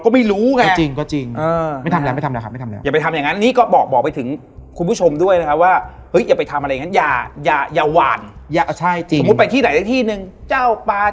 ไม่เจออะไรอีกเลยครับ